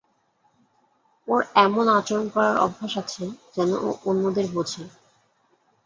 ওর এমন আচরণ করার অভ্যাস আছে যেন ও অন্যদের বোঝে।